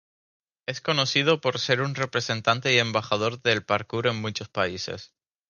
Es conocido por ser un representante y embajador del parkour en muchos países.